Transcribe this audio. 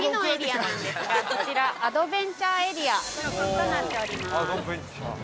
アドベンチャーエリアとなっております。